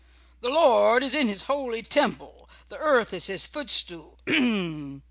The Lord is in His holy temple; the earth is His footstool h m!"